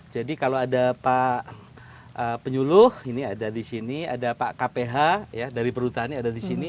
jadi kalau ada pak penyuluh ini ada di sini ada pak kph dari perhutani ada di sini